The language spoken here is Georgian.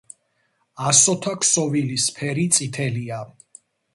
ასოთა ქსოვილის ფერი წითელია.